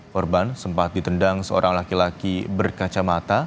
korban sempat ditendang seorang laki laki berkacamata